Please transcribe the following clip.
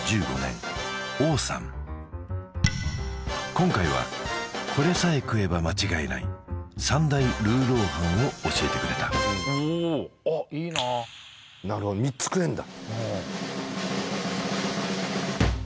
今回はこれさえ食えば間違いないを教えてくれたおおあっいいななるほど３つ食えんだ